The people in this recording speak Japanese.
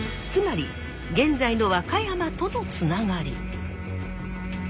つまり現在の和歌山とのつながり。